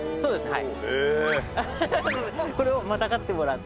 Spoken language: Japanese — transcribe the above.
はい。